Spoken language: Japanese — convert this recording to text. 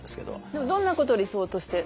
でもどんなことを理想として？